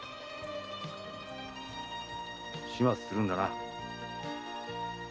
始末するんだな。